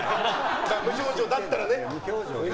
無表情だったらね。